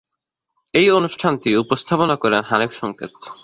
এই অনুষ্ঠানটি উপস্থাপনা করেন হানিফ সংকেত।